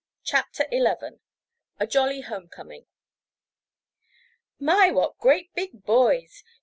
CHAPTER XI A JOLLY HOME COMING "My! What great big boys!